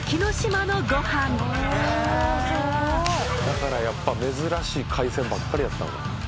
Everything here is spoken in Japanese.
だからやっぱ珍しい海鮮ばっかりやったもん。